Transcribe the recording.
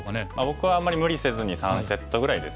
僕はあんまり無理せずに３セットぐらいですね。